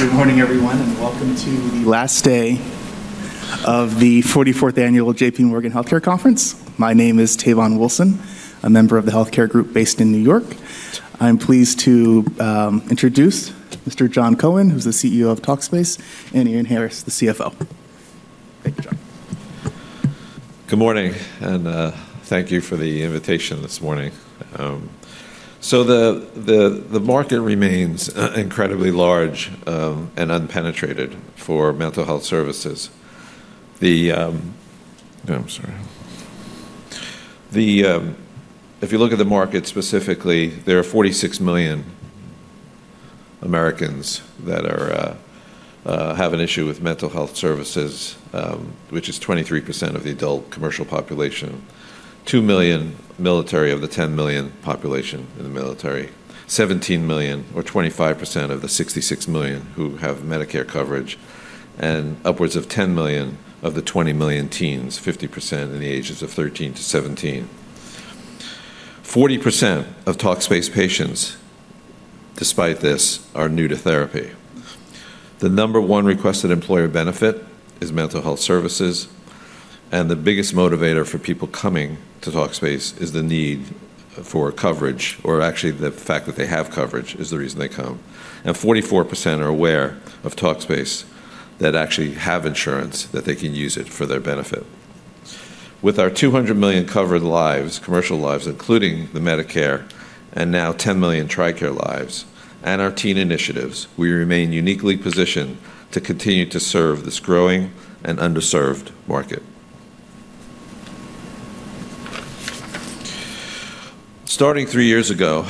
Good morning, everyone, and welcome to the last day of the 44th Annual J.P. Morgan Healthcare Conference. My name is Tien Wilson, a member of the healthcare group based in New York. I'm pleased to introduce Mr. Jon Cohen, who's the CEO of Talkspace, and Ian Harris, the CFO. Thank you, Jon. Good morning, and thank you for the invitation this morning. The market remains incredibly large and unpenetrated for mental health services. If you look at the market specifically, there are 46 million Americans that have an issue with mental health services, which is 23% of the adult commercial population, 2 million military of the 10 million population in the military, 17 million, or 25% of the 66 million who have Medicare coverage, and upwards of 10 million of the 20 million teens, 50% in the ages of 13 to 17. 40% of Talkspace patients, despite this, are new to therapy. The number one requested employer benefit is mental health services, and the biggest motivator for people coming to Talkspace is the need for coverage, or actually the fact that they have coverage is the reason they come. 44% are aware of Talkspace that actually have insurance that they can use it for their benefit. With our 200 million covered lives, commercial lives, including the Medicare, and now 10 million TRICARE lives, and our teen initiatives, we remain uniquely positioned to continue to serve this growing and underserved market. Starting three years ago,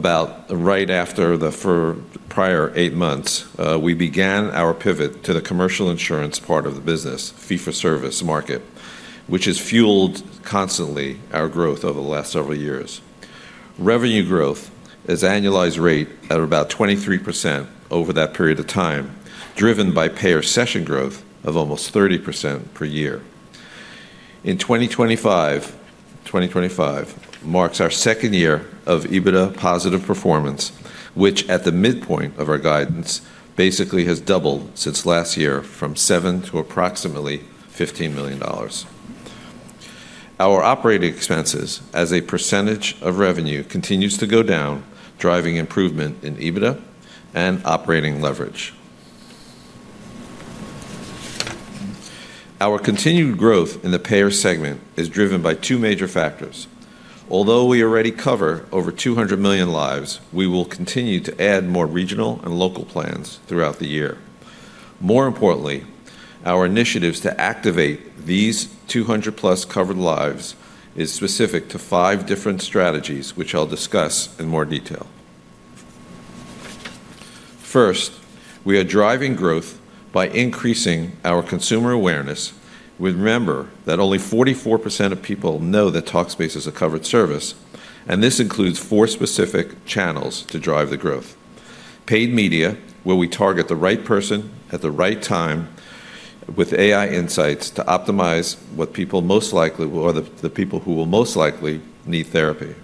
about right after the prior eight months, we began our pivot to the commercial insurance part of the business, fee-for-service market, which has fueled constantly our growth over the last several years. Revenue growth is annualized rate at about 23% over that period of time, driven by payer session growth of almost 30% per year. In 2025, 2025 marks our second year of EBITDA positive performance, which at the midpoint of our guidance basically has doubled since last year from $7 million to approximately $15 million. Our operating expenses, as a percentage of revenue, continue to go down, driving improvement in EBITDA and operating leverage. Our continued growth in the payer segment is driven by two major factors. Although we already cover over 200 million lives, we will continue to add more regional and local plans throughout the year. More importantly, our initiatives to activate these 200+ covered lives are specific to five different strategies, which I'll discuss in more detail. First, we are driving growth by increasing our consumer awareness. Remember that only 44% of people know that Talkspace is a covered service, and this includes four specific channels to drive the growth. Paid media where we target the right person at the right time with AI insights to optimize what people most likely will, or the people who will most likely need therapy.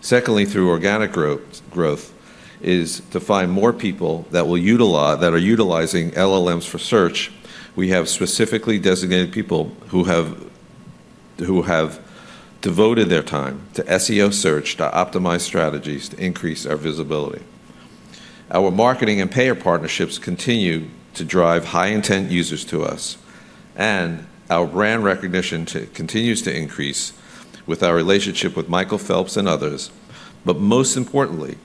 Secondly, through organic growth, is to find more people that are utilizing LLMs for search. We have specifically designated people who have devoted their time to SEO search to optimize strategies to increase our visibility. Our marketing and payer partnerships continue to drive high-intent users to us, and our brand recognition continues to increase with our relationship with Michael Phelps and others. But most importantly,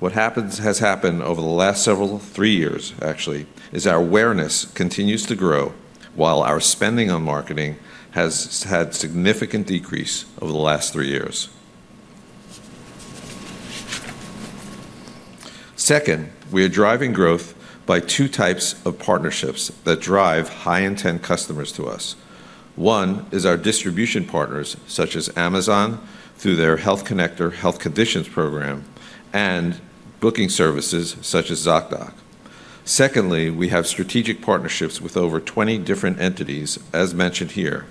what has happened over the last several three years, actually, is our awareness continues to grow while our spending on marketing has had a significant decrease over the last three years. Second, we are driving growth by two types of partnerships that drive high-intent customers to us. One is our distribution partners, such as Amazon through their Health Conditions Program, and booking services such as Zocdoc. Secondly, we have strategic partnerships with over 20 different entities, as mentioned here,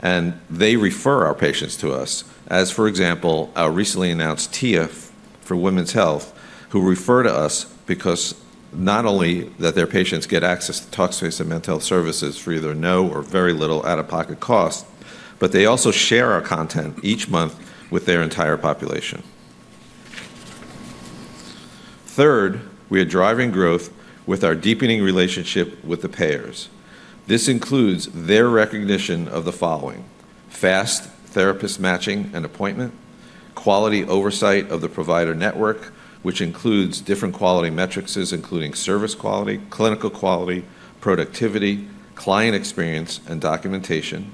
and they refer our patients to us, as for example, our recently announced Tia for women's health, who refer to us because not only do their patients get access to Talkspace and mental health services for either no or very little out-of-pocket cost, but they also share our content each month with their entire population. Third, we are driving growth with our deepening relationship with the payers. This includes their recognition of the following: fast therapist matching and appointment, quality oversight of the provider network, which includes different quality metrics, including service quality, clinical quality, productivity, client experience, and documentation.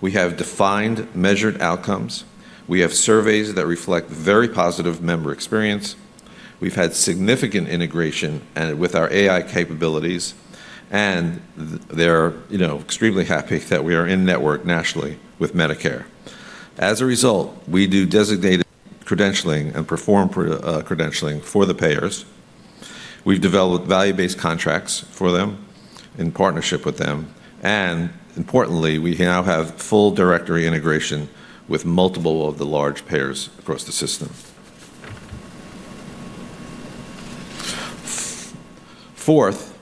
We have defined, measured outcomes. We have surveys that reflect very positive member experience. We've had significant integration with our AI capabilities, and they're extremely happy that we are in network nationally with Medicare. As a result, we do designated credentialing and perform credentialing for the payers. We've developed value-based contracts for them in partnership with them, and importantly, we now have full directory integration with multiple of the large payers across the system. Fourth,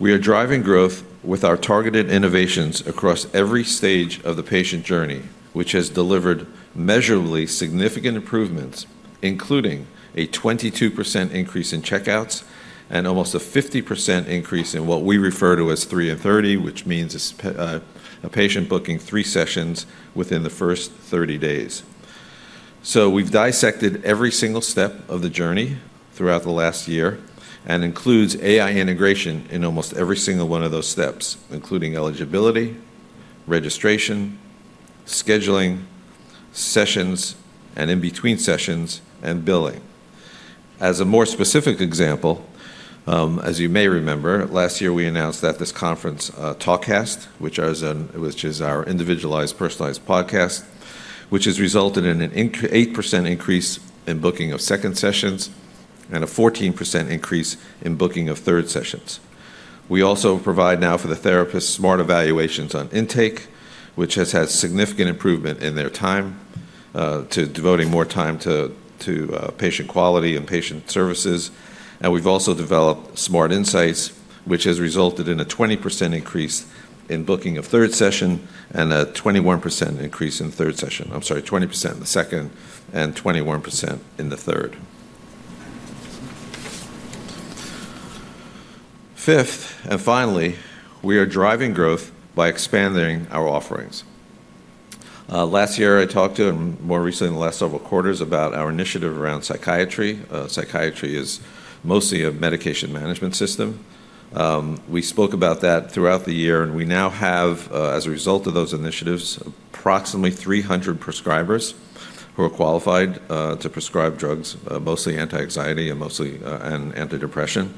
we are driving growth with our targeted innovations across every stage of the patient journey, which has delivered measurably significant improvements, including a 22% increase in checkouts and almost a 50% increase in what we refer to as 3 in 30, which means a patient booking three sessions within the first 30 days. So we've dissected every single step of the journey throughout the last year and includes AI integration in almost every single one of those steps, including eligibility, registration, scheduling, sessions, and in-between sessions, and billing. As a more specific example, as you may remember, last year we announced, at this conference, Talkcast, which is our individualized, personalized podcast, which has resulted in an 8% increase in booking of second sessions and a 14% increase in booking of third sessions. We also provide now to the therapists smart evaluations on intake, which has had significant improvement in their time to devoting more time to patient quality and patient services. And we've also developed smart insights, which has resulted in a 20% increase in booking of third session and a 21% increase in third session. I'm sorry, 20% in the second and 21% in the third. Fifth, and finally, we are driving growth by expanding our offerings. Last year, I talked about, and more recently in the last several quarters, about our initiative around psychiatry. Psychiatry is mostly a medication management system. We spoke about that throughout the year, and we now have, as a result of those initiatives, approximately 300 prescribers who are qualified to prescribe drugs, mostly anti-anxiety and mostly antidepression,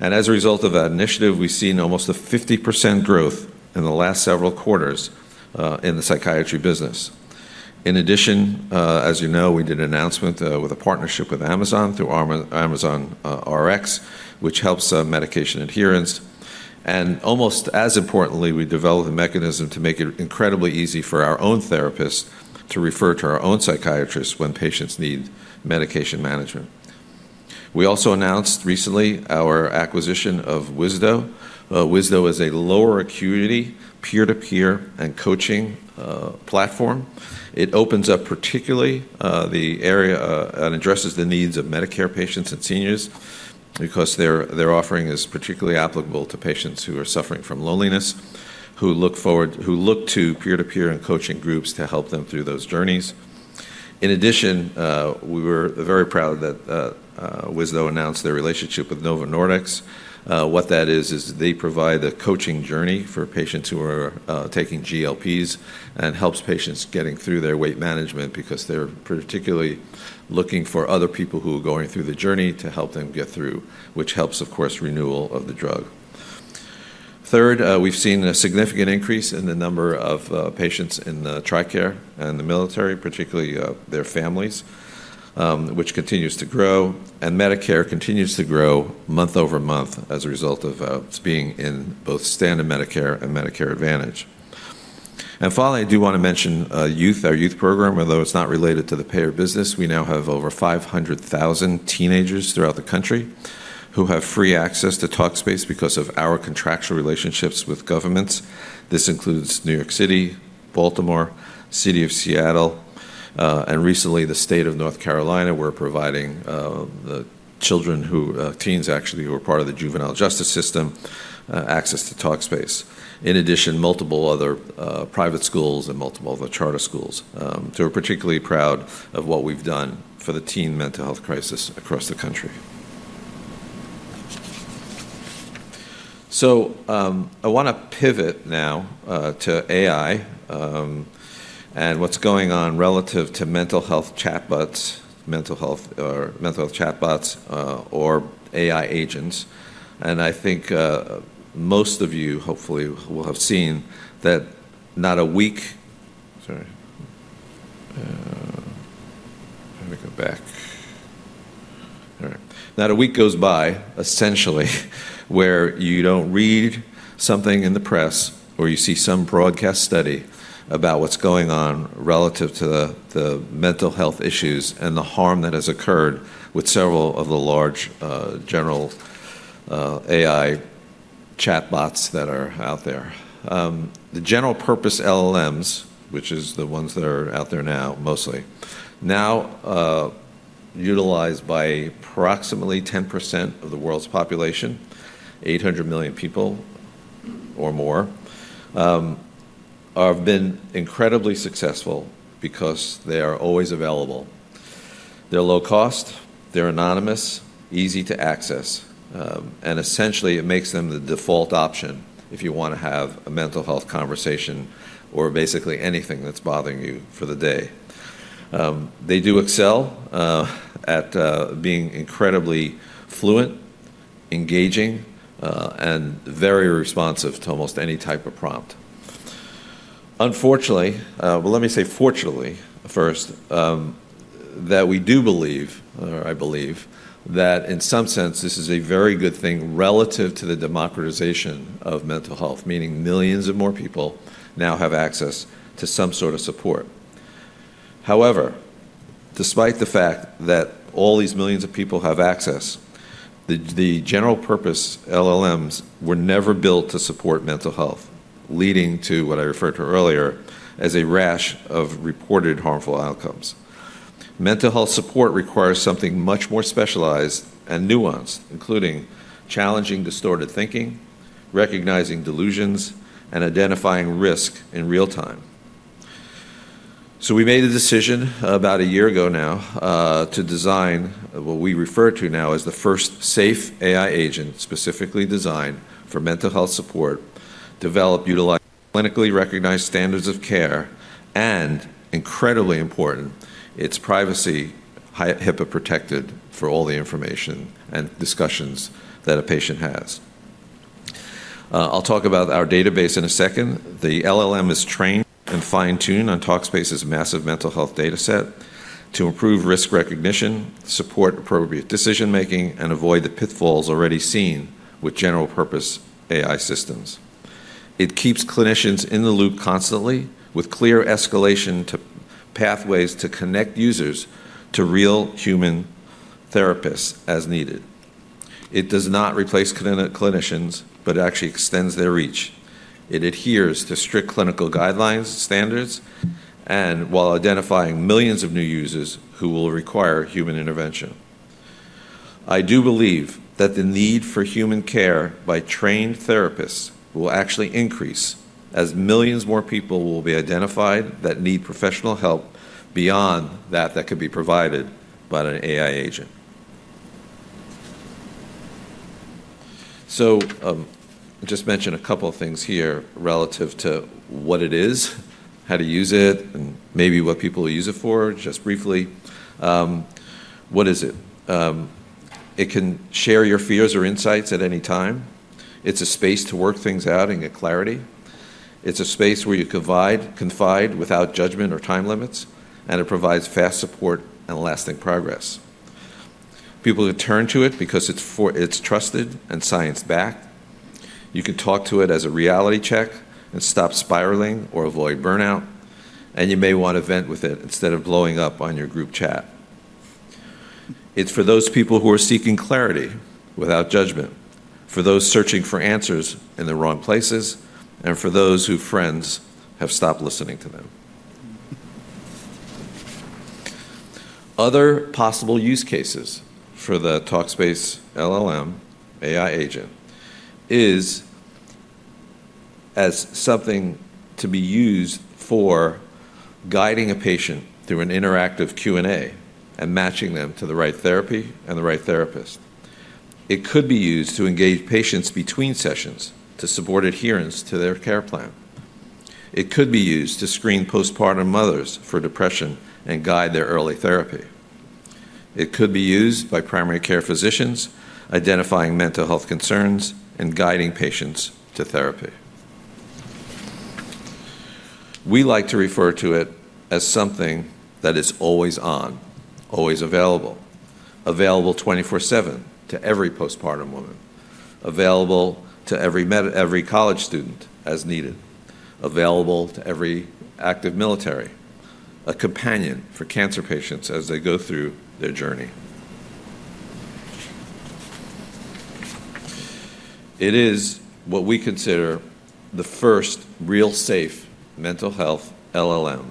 and as a result of that initiative, we've seen almost a 50% growth in the last several quarters in the psychiatry business. In addition, as you know, we did an announcement with a partnership with Amazon through Amazon Rx, which helps medication adherence, and almost as importantly, we developed a mechanism to make it incredibly easy for our own therapists to refer to our own psychiatrists when patients need medication management. We also announced recently our acquisition of Wisdo. Wisdo is a lower acuity peer-to-peer and coaching platform. It opens up particularly the area and addresses the needs of Medicare patients and seniors because their offering is particularly applicable to patients who are suffering from loneliness, who look to peer-to-peer and coaching groups to help them through those journeys. In addition, we were very proud that Wisdo announced their relationship with Novo Nordisk. What that is, is they provide a coaching journey for patients who are taking GLPs and helps patients getting through their weight management because they're particularly looking for other people who are going through the journey to help them get through, which helps, of course, renewal of the drug. Third, we've seen a significant increase in the number of patients in TRICARE and the military, particularly their families, which continues to grow, and Medicare continues to grow month over month as a result of being in both standard Medicare and Medicare Advantage. And finally, I do want to mention our youth program. Although it's not related to the payer business, we now have over 500,000 teenagers throughout the country who have free access to Talkspace because of our contractual relationships with governments. This includes New York City, Baltimore, the City of Seattle, and recently the State of North Carolina, where we're providing teens actually who are part of the juvenile justice system access to Talkspace. In addition, multiple other private schools and multiple other charter schools. So we're particularly proud of what we've done for the teen mental health crisis across the country. So I want to pivot now to AI and what's going on relative to mental health chatbots or AI agents. And I think most of you hopefully will have seen. Not a week goes by, essentially, where you don't read something in the press or you see some broadcast study about what's going on relative to the mental health issues and the harm that has occurred with several of the large general AI chatbots that are out there. The general purpose LLMs, which are the ones that are out there now mostly, now utilized by approximately 10% of the world's population, 800 million people or more, have been incredibly successful because they are always available. They're low cost, they're anonymous, easy to access, and essentially it makes them the default option if you want to have a mental health conversation or basically anything that's bothering you for the day. They do excel at being incredibly fluent, engaging, and very responsive to almost any type of prompt. Unfortunately, well, let me say fortunately first, that we do believe, or I believe, that in some sense this is a very good thing relative to the democratization of mental health, meaning millions of more people now have access to some sort of support. However, despite the fact that all these millions of people have access, the general purpose LLMs were never built to support mental health, leading to what I referred to earlier as a rash of reported harmful outcomes. Mental health support requires something much more specialized and nuanced, including challenging distorted thinking, recognizing delusions, and identifying risk in real time. So we made a decision about a year ago now to design what we refer to now as the first safe AI agent specifically designed for mental health support, developed utilizing clinically recognized standards of care, and incredibly important, its privacy HIPAA protected for all the information and discussions that a patient has. I'll talk about our database in a second. The LLM is trained and fine-tuned on Talkspace's massive mental health dataset to improve risk recognition, support appropriate decision-making, and avoid the pitfalls already seen with general purpose AI systems. It keeps clinicians in the loop constantly with clear escalation pathways to connect users to real human therapists as needed. It does not replace clinicians, but actually extends their reach. It adheres to strict clinical guidelines and standards while identifying millions of new users who will require human intervention. I do believe that the need for human care by trained therapists will actually increase as millions more people will be identified that need professional help beyond that that could be provided by an AI agent. So I'll just mention a couple of things here relative to what it is, how to use it, and maybe what people use it for, just briefly. What is it? It can share your fears or insights at any time. It's a space to work things out and get clarity. It's a space where you confide without judgment or time limits, and it provides fast support and lasting progress. People can turn to it because it's trusted and science-backed. You can talk to it as a reality check and stop spiraling or avoid burnout, and you may want to vent with it instead of blowing up on your group chat. It's for those people who are seeking clarity without judgment, for those searching for answers in the wrong places, and for those whose friends have stopped listening to them. Other possible use cases for the Talkspace LLM AI agent are as something to be used for guiding a patient through an interactive Q&A and matching them to the right therapy and the right therapist. It could be used to engage patients between sessions to support adherence to their care plan. It could be used to screen postpartum mothers for depression and guide their early therapy. It could be used by primary care physicians identifying mental health concerns and guiding patients to therapy. We like to refer to it as something that is always on, always available, available 24/7 to every postpartum woman, available to every college student as needed, available to every active military, a companion for cancer patients as they go through their journey. It is what we consider the first real safe mental health LLM.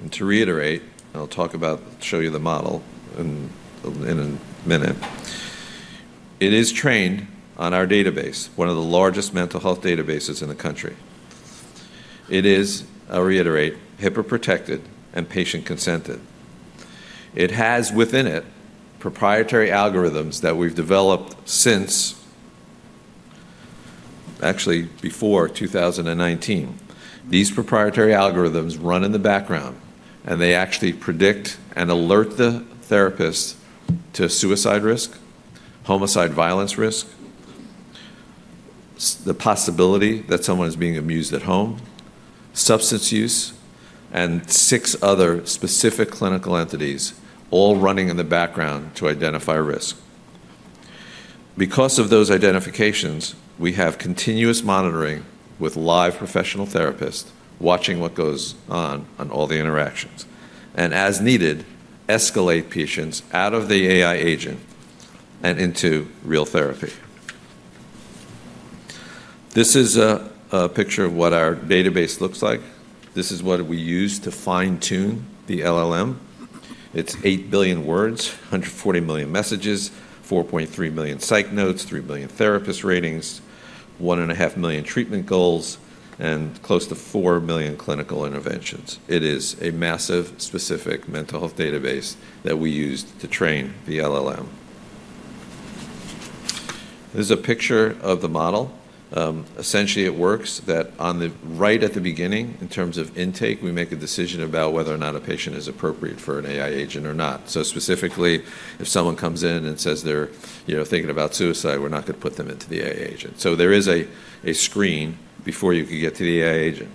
And to reiterate, and I'll talk about, show you the model in a minute. It is trained on our database, one of the largest mental health databases in the country. It is, I'll reiterate, HIPAA protected and patient consented. It has within it proprietary algorithms that we've developed since actually before 2019. These proprietary algorithms run in the background, and they actually predict and alert the therapist to suicide risk, homicide violence risk, the possibility that someone is being abused at home, substance use, and six other specific clinical entities all running in the background to identify risk. Because of those identifications, we have continuous monitoring with live professional therapists watching what goes on and all the interactions, and as needed, escalate patients out of the AI agent and into real therapy. This is a picture of what our database looks like. This is what we use to fine-tune the LLM. It's eight billion words, 140 million messages, 4.3 million psych notes, three million therapist ratings, 1.5 million treatment goals, and close to four million clinical interventions. It is a massive specific mental health database that we use to train the LLM. This is a picture of the model. Essentially, it works like that, right at the beginning, in terms of intake. We make a decision about whether or not a patient is appropriate for an AI agent or not. So specifically, if someone comes in and says they're thinking about suicide, we're not going to put them into the AI agent. So there is a screen before you can get to the AI agent.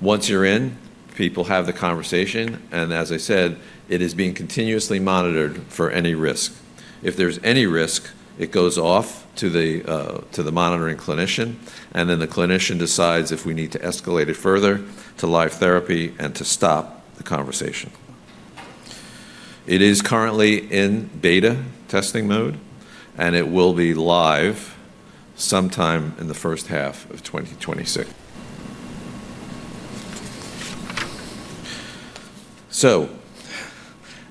Once you're in, people have the conversation, and as I said, it is being continuously monitored for any risk. If there's any risk, it goes off to the monitoring clinician, and then the clinician decides if we need to escalate it further to live therapy and to stop the conversation. It is currently in beta testing mode, and it will be live sometime in the first half of 2026. So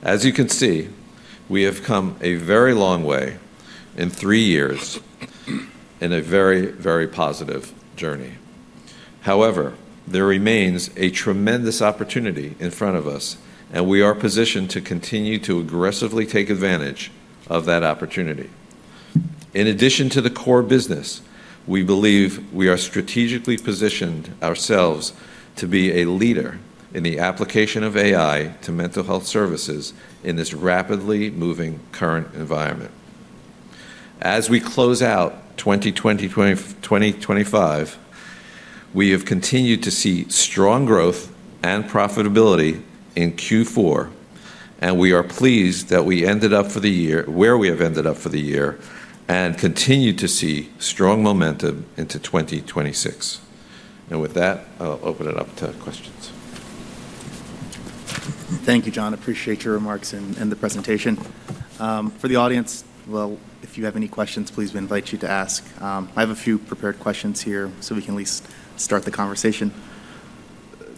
as you can see, we have come a very long way in three years in a very, very positive journey. However, there remains a tremendous opportunity in front of us, and we are positioned to continue to aggressively take advantage of that opportunity. In addition to the core business, we believe we are strategically positioned ourselves to be a leader in the application of AI to mental health services in this rapidly moving current environment. As we close out 2025, we have continued to see strong growth and profitability in Q4, and we are pleased that we ended up for the year where we have ended up for the year and continue to see strong momentum into 2026. And with that, I'll open it up to questions. Thank you, Jon. I appreciate your remarks and the presentation. For the audience, well, if you have any questions, please, I invite you to ask. I have a few prepared questions here so we can at least start the conversation.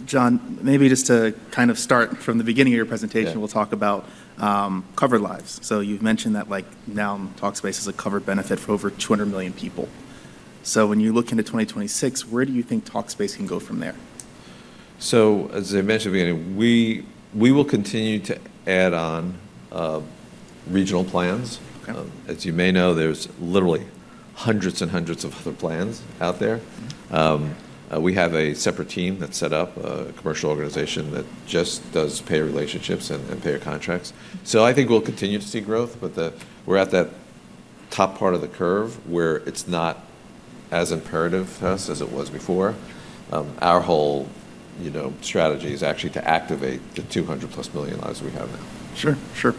Jon, maybe just to kind of start from the beginning of your presentation, we'll talk about covered lives. So you've mentioned that now Talkspace is a covered benefit for over 200 million people. So when you look into 2026, where do you think Talkspace can go from there? So as I mentioned at the beginning, we will continue to add on regional plans. As you may know, there's literally hundreds and hundreds of other plans out there. We have a separate team that's set up, a commercial organization that just does payer relationships and payer contracts. So I think we'll continue to see growth, but we're at that top part of the curve where it's not as imperative to us as it was before. Our whole strategy is actually to activate the 200+ million lives we have now. Sure, sure.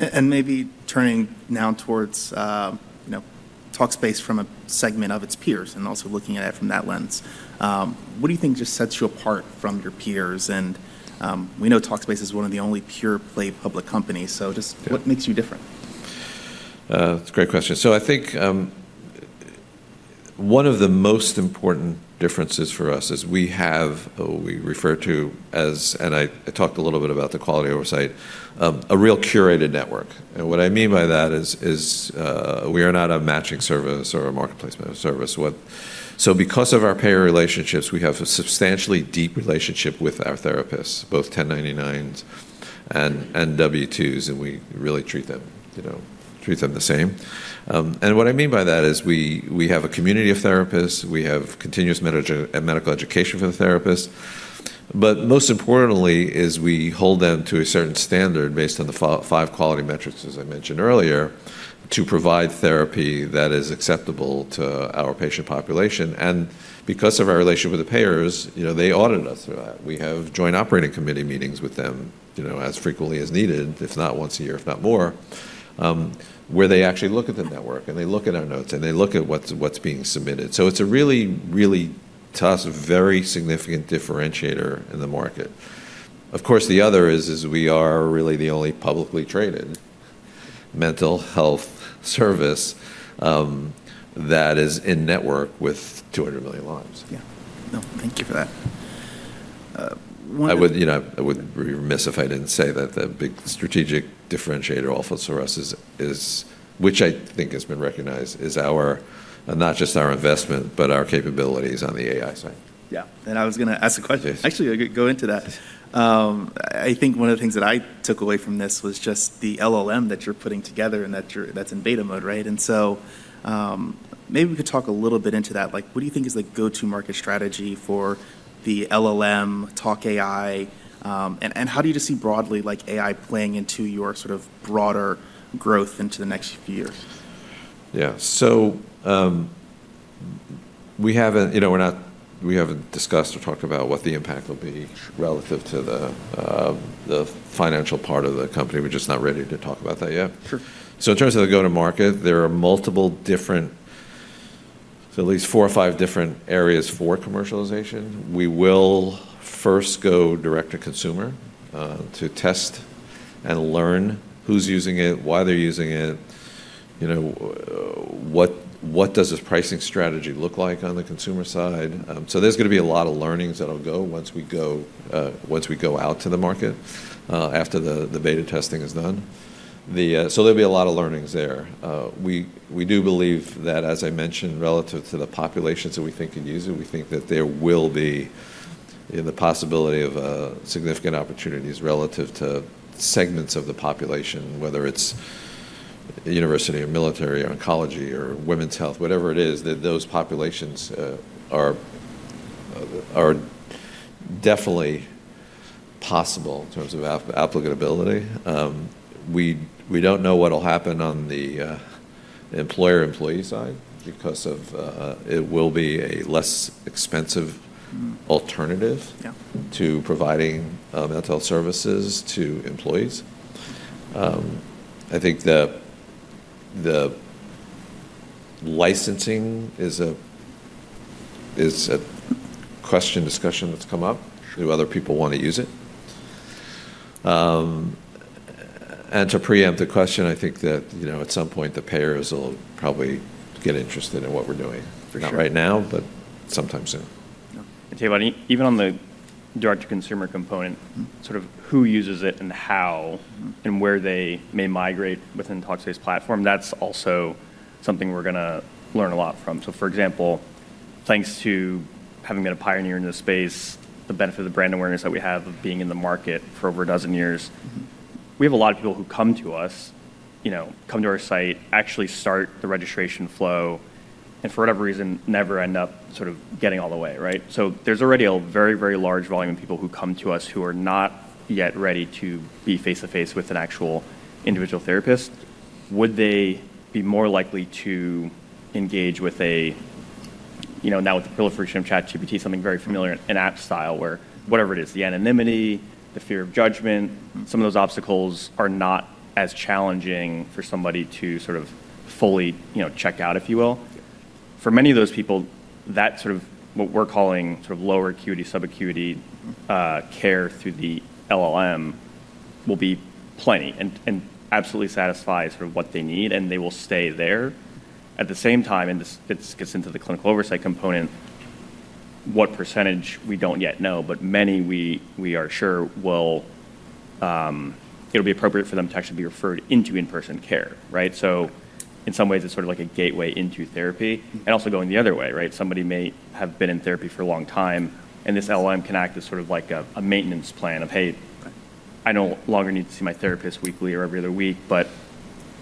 And maybe turning now towards Talkspace from a segment of its peers and also looking at it from that lens, what do you think just sets you apart from your peers? And we know Talkspace is one of the only pure-play public companies. So just what makes you different? That's a great question. So I think one of the most important differences for us is we have, or we refer to as, and I talked a little bit about the quality oversight, a real curated network. And what I mean by that is we are not a matching service or a marketplace service. So because of our payer relationships, we have a substantially deep relationship with our therapists, both 1099s and W-2s, and we really treat them the same. And what I mean by that is we have a community of therapists. We have continuous medical education for the therapists. But most importantly, we hold them to a certain standard based on the five quality metrics, as I mentioned earlier, to provide therapy that is acceptable to our patient population. And because of our relationship with the payers, they audit us through that. We have joint operating committee meetings with them as frequently as needed, if not once a year, if not more, where they actually look at the network and they look at our notes and they look at what's being submitted. So it's a really, really tough, very significant differentiator in the market. Of course, the other is we are really the only publicly traded mental health service that is in network with 200 million lives. Yeah. No, thank you for that. I would be remiss if I didn't say that the big strategic differentiator also for us is, which I think has been recognized, is not just our investment, but our capabilities on the AI side. Yeah. And I was going to ask a question. Actually, I could go into that. I think one of the things that I took away from this was just the LLM that you're putting together and that's in beta mode, right? And so maybe we could talk a little bit into that. What do you think is the go-to market strategy for the LLM, Talk AI? And how do you just see broadly AI playing into your sort of broader growth into the next few years? Yeah. So we haven't discussed or talked about what the impact will be relative to the financial part of the company. We're just not ready to talk about that yet. So in terms of the go-to market, there are multiple different, at least four or five different areas for commercialization. We will first go direct to consumer to test and learn who's using it, why they're using it, what does this pricing strategy look like on the consumer side. So there's going to be a lot of learnings that'll go once we go out to the market after the beta testing is done. So there'll be a lot of learnings there. We do believe that, as I mentioned, relative to the populations that we think can use it, we think that there will be the possibility of significant opportunities relative to segments of the population, whether it's university or military or oncology or women's health, whatever it is, that those populations are definitely possible in terms of applicability. We don't know what'll happen on the employer-employee side because it will be a less expensive alternative to providing mental health services to employees. I think the licensing is a question discussion that's come up. Do other people want to use it? And to preempt the question, I think that at some point, the payers will probably get interested in what we're doing. Not right now, but sometime soon. To you, even on the direct-to-consumer component, sort of who uses it and how and where they may migrate within the Talkspace platform, that's also something we're going to learn a lot from. For example, thanks to having been a pioneer in this space, the benefit of the brand awareness that we have of being in the market for over a dozen years, we have a lot of people who come to us, come to our site, actually start the registration flow, and for whatever reason, never end up sort of getting all the way, right? There's already a very, very large volume of people who come to us who are not yet ready to be face-to-face with an actual individual therapist. Would they be more likely to engage with a, now with the proliferation of ChatGPT, something very familiar in app style, where whatever it is, the anonymity, the fear of judgment, some of those obstacles are not as challenging for somebody to sort of fully check out, if you will? For many of those people, that sort of what we're calling sort of lower acuity, subacuity care through the LLM will be plenty and absolutely satisfy sort of what they need, and they will stay there. At the same time, and this gets into the clinical oversight component, what percentage we don't yet know, but many we are sure will, it'll be appropriate for them to actually be referred into in-person care, right? So in some ways, it's sort of like a gateway into therapy and also going the other way, right? Somebody may have been in therapy for a long time, and this LLM can act as sort of like a maintenance plan of, "Hey, I no longer need to see my therapist weekly or every other week, but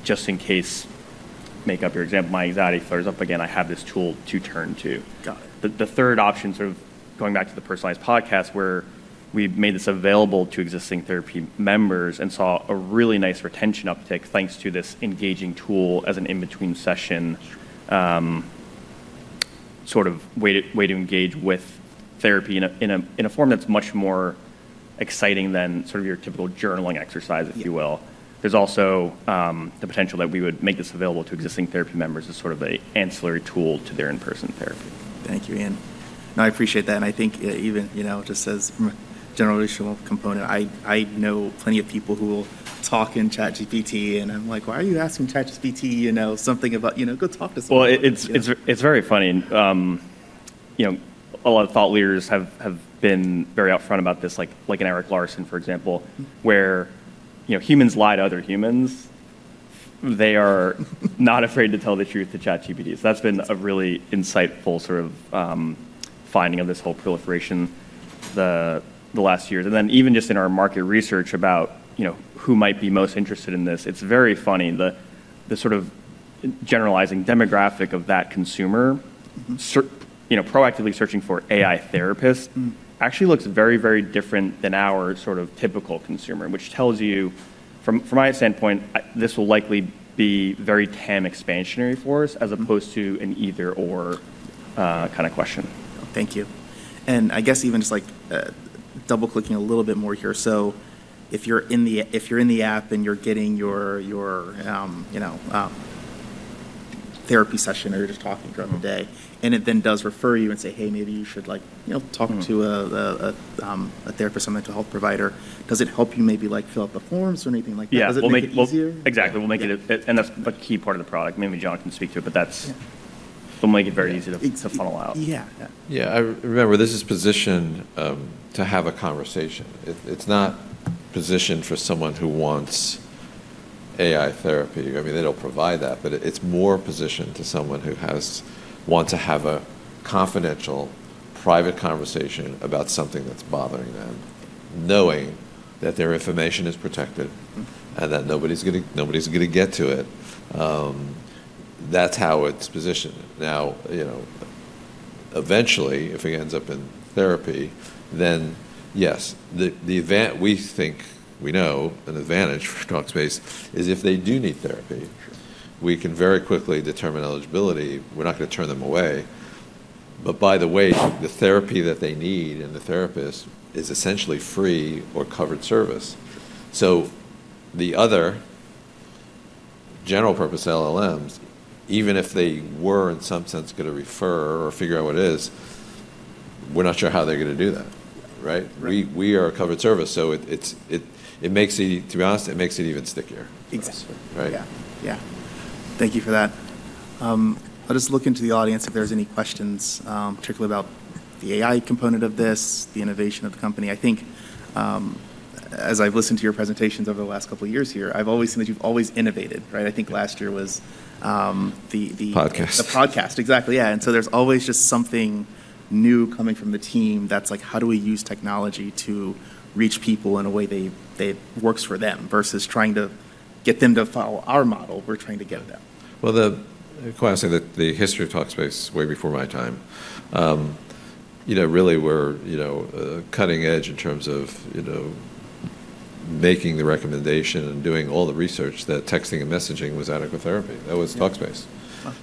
just in case," make up your example, "my anxiety flares up again, I have this tool to turn to." The third option, sort of going back to the personalized podcast, where we've made this available to existing therapy members and saw a really nice retention uptake thanks to this engaging tool as an in-between session sort of way to engage with therapy in a form that's much more exciting than sort of your typical journaling exercise, if you will. There's also the potential that we would make this available to existing therapy members as sort of an ancillary tool to their in-person therapy. Thank you, Ian. No, I appreciate that. I think even just as general relational component, I know plenty of people who will talk in ChatGPT, and I'm like, "Why are you asking ChatGPT something about, go talk to someone? It's very funny. A lot of thought leaders have been very upfront about this, like Eric Larsen, for example, where humans lie to other humans. They are not afraid to tell the truth to ChatGPT. That's been a really insightful sort of finding of this whole proliferation the last years. Even just in our market research about who might be most interested in this, it's very funny. The sort of generalizing demographic of that consumer proactively searching for AI therapists actually looks very, very different than our sort of typical consumer, which tells you, from my standpoint, this will likely be very TAM expansionary for us as opposed to an either/or kind of question. Thank you. And I guess even just like double-clicking a little bit more here. So if you're in the app and you're getting your therapy session or you're just talking throughout the day, and it then does refer you and say, "Hey, maybe you should talk to a therapist or mental health provider," does it help you maybe fill out the forms or anything like that? Does it make it easier? Exactly. We'll make it, and that's a key part of the product. Maybe John can speak to it, but that's, we'll make it very easy to funnel out. Yeah. Yeah. I remember this is positioned to have a conversation. It's not positioned for someone who wants AI therapy. I mean, they don't provide that, but it's more positioned to someone who wants to have a confidential, private conversation about something that's bothering them, knowing that their information is protected and that nobody's going to get to it. That's how it's positioned. Now, eventually, if he ends up in therapy, then yes, the event we think we know an advantage for Talkspace is if they do need therapy, we can very quickly determine eligibility. We're not going to turn them away. But by the way, the therapy that they need and the therapist is essentially free or covered service. So the other general-purpose LLMs, even if they were in some sense going to refer or figure out what it is, we're not sure how they're going to do that, right? We are a covered service, so it makes it, to be honest, it makes it even stickier. Exactly. Yeah. Thank you for that. I'll just look into the audience if there's any questions, particularly about the AI component of this, the innovation of the company. I think as I've listened to your presentations over the last couple of years here, I've always seen that you've always innovated, right? I think last year was the. Podcast. The podcast, exactly. Yeah. And so there's always just something new coming from the team that's like, how do we use technology to reach people in a way that works for them versus trying to get them to follow our model. We're trying to give them? Well, the question, the history of Talkspace way before my time. Really, we're cutting edge in terms of making the recommendation and doing all the research that texting and messaging was adequate therapy. That was Talkspace,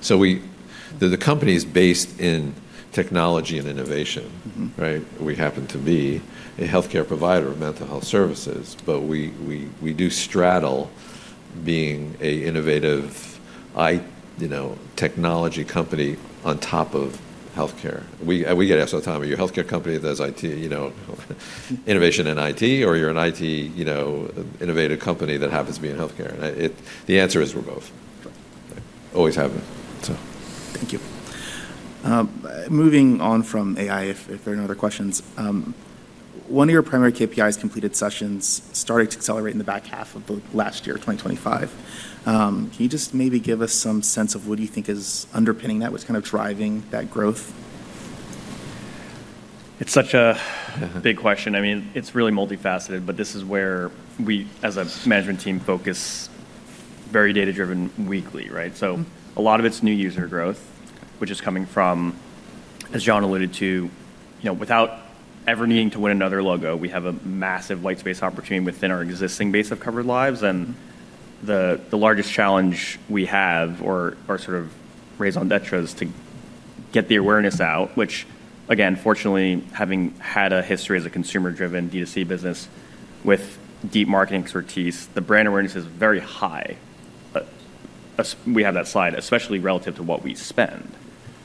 so the company is based in technology and innovation, right? We happen to be a healthcare provider of mental health services, but we do straddle being an innovative technology company on top of healthcare. We get asked all the time, are you a healthcare company that has innovation in IT or you're an IT innovative company that happens to be in healthcare, and the answer is we're both. Always happens, so. Thank you. Moving on from AI, if there are no other questions, one of your primary KPIs, completed sessions, started to accelerate in the back half of the last year, 2025. Can you just maybe give us some sense of what do you think is underpinning that? What's kind of driving that growth? It's such a big question. I mean, it's really multifaceted, but this is where we, as a management team, focus very data-driven weekly, right? So a lot of it's new user growth, which is coming from, as Jon alluded to, without ever needing to win another logo, we have a massive white space opportunity within our existing base of covered lives. And the largest challenge we have or sort of greatest detriments is to get the awareness out, which, again, fortunately, having had a history as a consumer-driven D2C business with deep marketing expertise, the brand awareness is very high. We have that slide, especially relative to what we spend.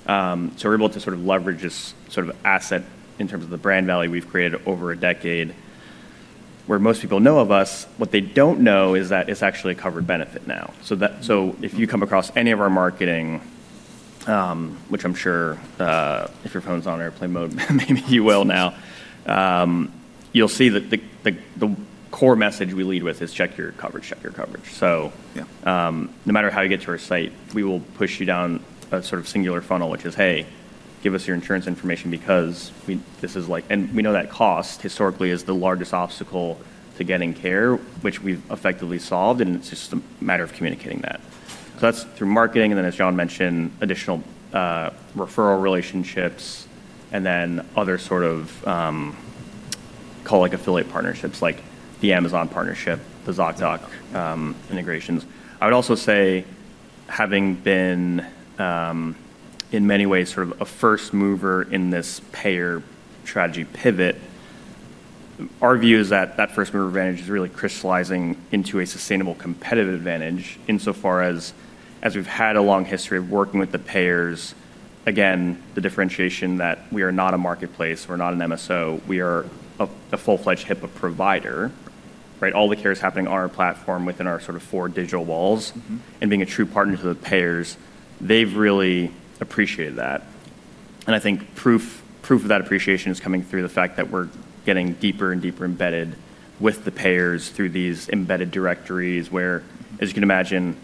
So we're able to sort of leverage this sort of asset in terms of the brand value we've created over a decade. Where most people know of us, what they don't know is that it's actually a covered benefit now. So if you come across any of our marketing, which I'm sure if your phone's on airplane mode, maybe you will now, you'll see that the core message we lead with is, "Check your coverage, check your coverage." So no matter how you get to our site, we will push you down a sort of singular funnel, which is, "Hey, give us your insurance information because this is like," and we know that cost historically is the largest obstacle to getting care, which we've effectively solved, and it's just a matter of communicating that. So that's through marketing, and then as Jon mentioned, additional referral relationships, and then other sort of call it affiliate partnerships, like the Amazon partnership, the Zocdoc integrations. I would also say, having been in many ways sort of a first mover in this payer strategy pivot, our view is that that first mover advantage is really crystallizing into a sustainable competitive advantage insofar as we've had a long history of working with the payers. Again, the differentiation that we are not a marketplace. We're not an MSO. We are a full-fledged HIPAA provider, right? All the care is happening on our platform within our sort of four digital walls, and being a true partner to the payers, they've really appreciated that. I think proof of that appreciation is coming through the fact that we're getting deeper and deeper embedded with the payers through these embedded directories where, as you can imagine,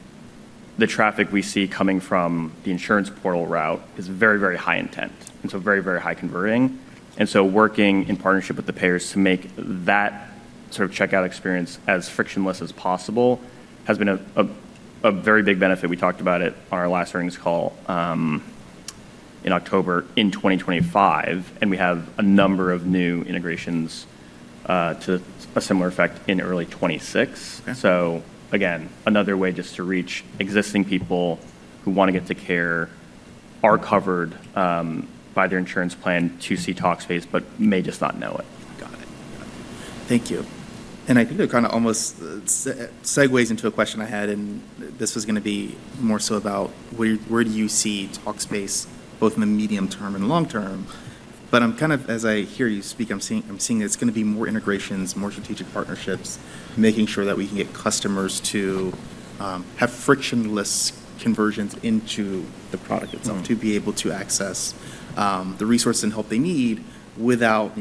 the traffic we see coming from the insurance portal route is very, very high intent and so very, very high converting. And so working in partnership with the payers to make that sort of checkout experience as frictionless as possible has been a very big benefit. We talked about it on our last earnings call in October in 2025, and we have a number of new integrations to a similar effect in early 2026. So again, another way just to reach existing people who want to get to care are covered by their insurance plan to see Talkspace, but may just not know it. Got it. Thank you. And I think it kind of almost segues into a question I had, and this was going to be more so about where do you see Talkspace both in the medium term and long term? But I'm kind of, as I hear you speak, I'm seeing it's going to be more integrations, more strategic partnerships, making sure that we can get customers to have frictionless conversions into the product itself to be able to access the resources and help they need without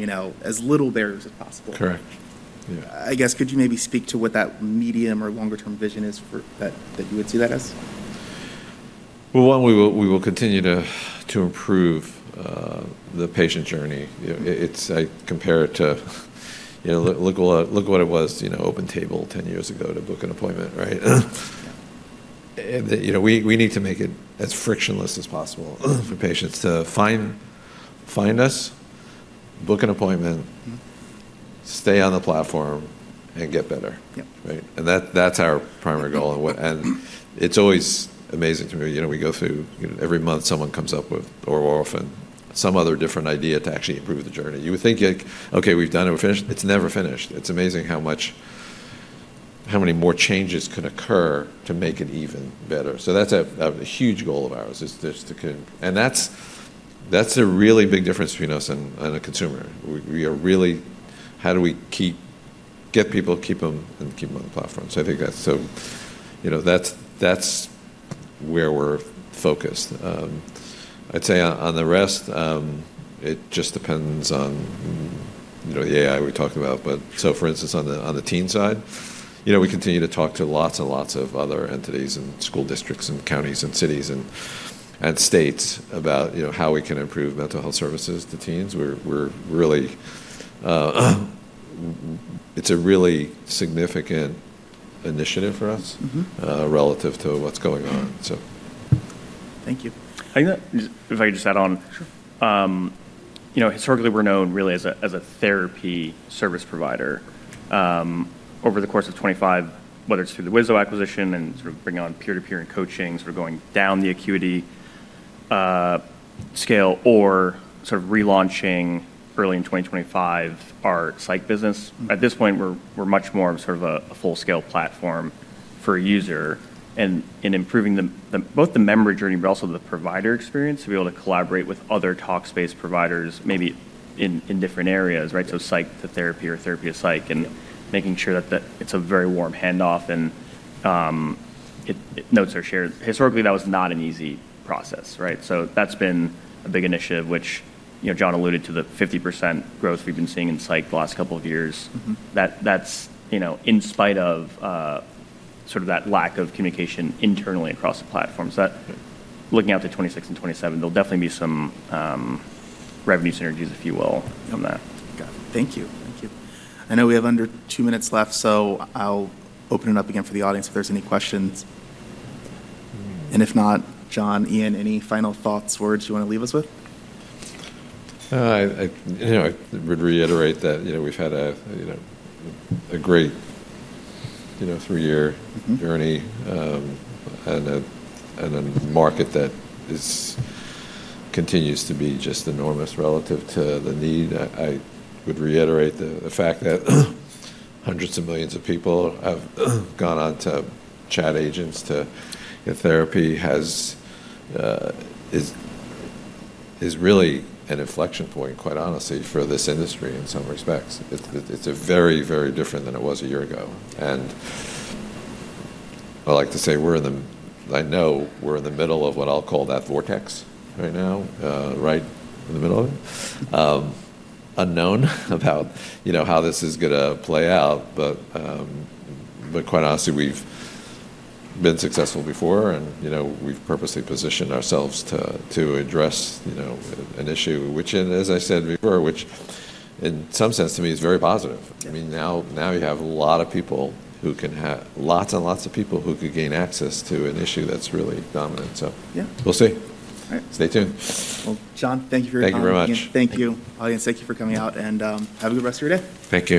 as little barriers as possible. Correct. Yeah. I guess, could you maybe speak to what that medium or longer-term vision is that you would see that as? One, we will continue to improve the patient journey. I compare it to, "Look what it was, OpenTable 10 years ago to book an appointment," right? We need to make it as frictionless as possible for patients to find us, book an appointment, stay on the platform, and get better, right? That's our primary goal. It's always amazing to me. We go through every month, someone comes up with, or often some other different idea to actually improve the journey. You would think, "Okay, we've done it, we're finished." It's never finished. It's amazing how many more changes can occur to make it even better. That's a huge goal of ours, is just to, and that's a really big difference between us and a consumer. We are really, how do we get people, keep them, and keep them on the platform? So I think that's where we're focused. I'd say on the rest, it just depends on the AI we're talking about. But so for instance, on the teen side, we continue to talk to lots and lots of other entities and school districts and counties and cities and states about how we can improve mental health services to teens. It's a really significant initiative for us relative to what's going on, so. Thank you. If I could just add on. Sure. Historically, we're known really as a therapy service provider. Over the course of 2025, whether it's through the Wisdo acquisition and sort of bringing on peer-to-peer and coaching, sort of going down the acuity scale, or sort of relaunching early in 2025 our psych business. At this point, we're much more of sort of a full-scale platform for a user and in improving both the member journey, but also the provider experience to be able to collaborate with other Talkspace providers, maybe in different areas, right? So psych to therapy or therapy to psych and making sure that it's a very warm handoff and notes are shared. Historically, that was not an easy process, right? So that's been a big initiative, which Jon alluded to the 50% growth we've been seeing in psych the last couple of years. That's in spite of sort of that lack of communication internally across the platforms. Looking out to 2026 and 2027, there'll definitely be some revenue synergies, if you will, from that. Got it. Thank you. Thank you. I know we have under two minutes left, so I'll open it up again for the audience if there's any questions. And if not, Jon, Ian, any final thoughts, words you want to leave us with? I would reiterate that we've had a great three-year journey and a market that continues to be just enormous relative to the need. I would reiterate the fact that hundreds of millions of people have gone on to chat agents to get therapy. This is really an inflection point, quite honestly, for this industry in some respects. It's very, very different than it was a year ago, and I like to say we're in the, I know we're in the middle of what I'll call that vortex right now, right in the middle of it. It's unknown about how this is going to play out, but quite honestly, we've been successful before and we've purposely positioned ourselves to address an issue, which, as I said before, which in some sense to me is very positive. I mean, now you have a lot of people who can have lots and lots of people who could gain access to an issue that's really dominant. So we'll see. Stay tuned. Jon, thank you for your time. Thank you very much. Thank you, audience. Thank you for coming out and have a good rest of your day. Thank you.